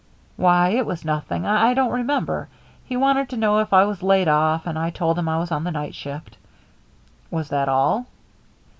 "Why, it was nothing. I don't remember. He wanted to know if I was laid off, and I told him I was on the night shift." "Was that all?"